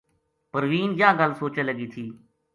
پروین یاہ گل سوچے لگی تھی